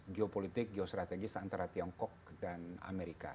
geopolitik geostrategis antara tiongkok dan amerika